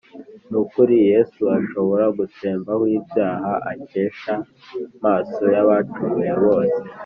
N’ukuri, Yes’ashobora, Gutsembahw ibyaha, Akesh’amaso ye Abacumuye bose.